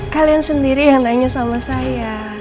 kalian sendiri yang nanya sama saya